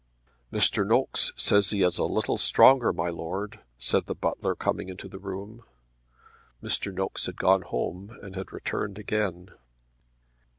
"Mr. Nokes says he is a little stronger, my Lord," said the butler coming into the room. Mr. Nokes had gone home and had returned again.